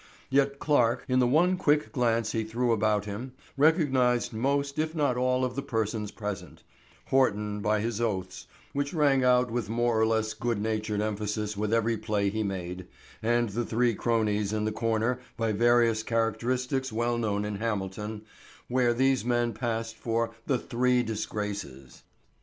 Yet Clarke, in the one quick glance he threw about him, recognized most if not all of the persons present—Horton by his oaths, which rang out with more or less good natured emphasis with every play he made, and the three cronies in the corner by various characteristics well known in Hamilton, where these men passed for "the three disgraces."